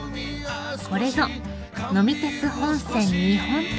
これぞ「呑み鉄本線・日本旅」。